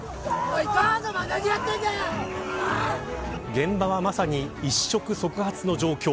現場はまさに一触即発の状況。